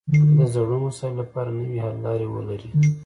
د زړو مسایلو لپاره نوې حل لارې ولري